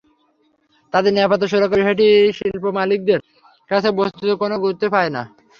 তাঁদের নিরাপত্তা সুরক্ষার বিষয়টি শিল্পমালিকদের কাছে বস্তুত কোনো গুরুত্বই পায় না।